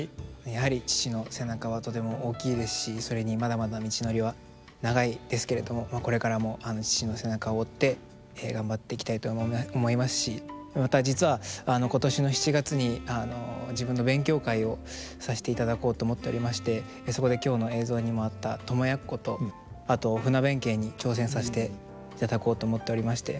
やはり父の背中はとても大きいですしそれにまだまだ道のりは長いですけれどもこれからも父の背中を追って頑張っていきたいと思いますしまた実は今年の７月に自分の勉強会をさせていただこうと思っておりましてそこで今日の映像にもあった「供奴」とあと「船弁慶」に挑戦させていただこうと思っておりまして。